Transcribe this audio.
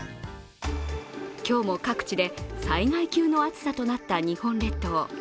今日も各地で災害級の暑さとなった日本列島。